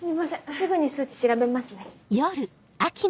すぐに数値調べますね。